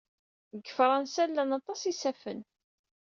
Deg Fṛansa llan aṭas n yisafen.